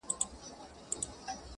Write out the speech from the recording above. اشنـا په دې چــلو دي وپوهـېدم!